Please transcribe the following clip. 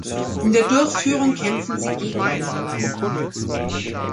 In der Durchführung kämpfen sie gegeneinander.